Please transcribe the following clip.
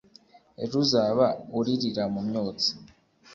ejo uzaba uririra mu myotsi